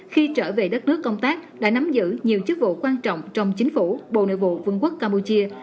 khi trở về đất nước công tác đã nắm giữ nhiều chức vụ quan trọng trong chính phủ bộ nội vụ vương quốc campuchia